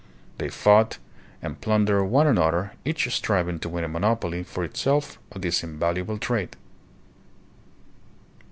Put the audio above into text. They fought and plundered one another, each striving to win a monopoly for itself of this invaluable trade.